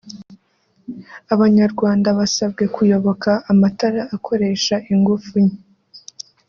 Abanyarwanda basabwe kuyoboka amatara akoresha ingufu nke